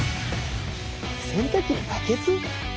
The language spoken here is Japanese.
洗濯機にバケツ？